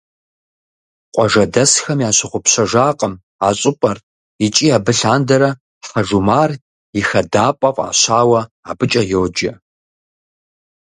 Къуажэдэсхэм ящыгъупщакъым а щӏыпӏэр икӏи абы лъандэрэ «Хьэжумар и хадапӏэ» фӏащауэ абыкӏэ йоджэ.